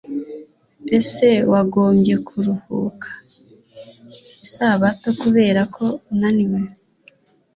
Ese wagombye kuruhuka Isabato kubera ko unaniwe